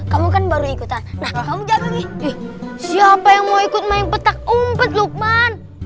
kamu kan baru ikutan siapa yang mau ikut main petak umpet luqman